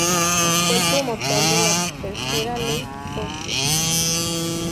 Fue el promotor de la tercera ley Porcia.